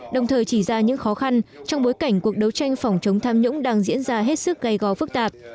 đồng thời chỉ ra những khó khăn trong bối cảnh cuộc đấu tranh phòng chống tham nhũng đang diễn ra hết sức gây go phức tạp